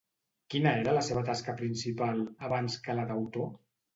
Quina era la seva tasca principal, abans que la d'autor?